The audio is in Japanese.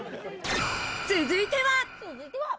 続いては。